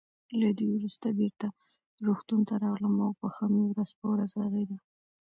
له دې وروسته بېرته روغتون ته راغلم او پښه مې ورځ په ورځ رغېده.